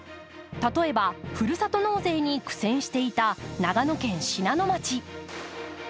例えば、ふるさと納税に苦戦していた長野県信濃町。